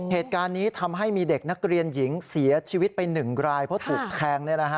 เหตุการณ์นี้ทำให้มีเด็กนักเรียนหญิงเสียชีวิตไป๑รายเพราะถูกแทง